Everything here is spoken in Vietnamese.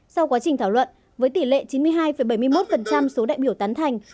sau quá trình thảo luận với tỷ lệ chín mươi hai bảy mươi một số đại biểu tán thành